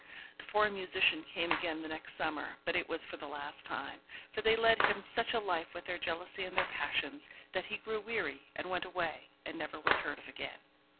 The foreign musician came again the next summer, but it was for the last time; for they led him such a life with their jealousy and their passions, that he grew weary, and went away, and never was heard of again.